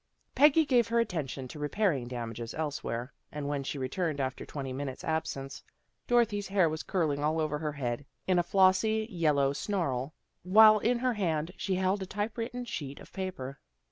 Peggy gave her attention to repairing damages else where, and when she returned after twenty minutes' absence, Dorothy's hair was curling all over her head, in a flossy yellow snarl, while in her hand she held a typewritten sheet of paper.